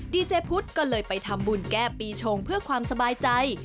ดีเจพุทธก็เลยไปทำบุญแก้ปีชงเพื่อความสบายใจ